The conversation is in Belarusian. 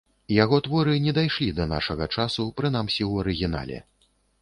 Яго творы не дайшлі да нашага часу, прынамсі, у арыгінале.